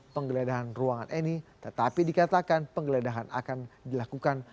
penggeledahan ruangan eni tetapi dikatakan penggeledahan akan dilakukan